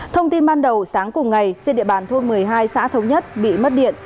thông tin ban đầu sáng cùng ngày trên địa bàn thôn một mươi hai xã thống nhất bị mất điện